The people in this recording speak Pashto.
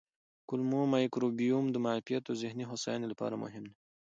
کولمو مایکروبیوم د معافیت او ذهني هوساینې لپاره مهم دی.